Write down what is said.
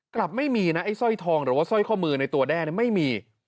กลับไม่มีนะไอ้สร้อยทองหรือว่าสร้อยข้อมือในตัวแด้ไม่มี